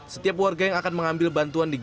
setiap warga yang akan mengambil bantuan di gerai